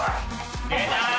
出た！